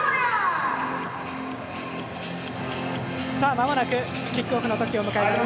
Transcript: まもなく、キックオフの時を迎えます。